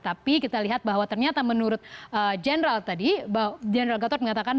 tapi kita lihat bahwa ternyata menurut general tadi general gatot mengatakan